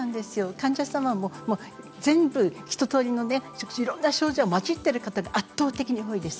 患者様も全部一とおりのいろいろな症状が混じっている方が圧倒的に多いです。